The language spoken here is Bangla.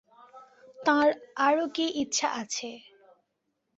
তাঁর আরো কী ইচ্ছা আছে।